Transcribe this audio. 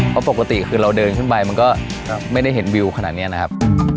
เพราะปกติคือเราเดินขึ้นไปมันก็ไม่ได้เห็นวิวขนาดนี้นะครับ